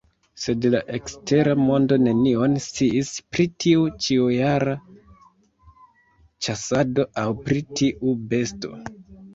Sed la ekstera mondo nenion sciis pri tiu ĉiujara ĉasado aŭ pri tiu besto.